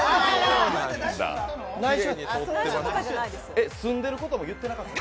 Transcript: えっ、住んでることも言うてなかった？